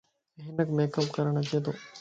ھنک ميڪ اب ڪرڻ اچي تو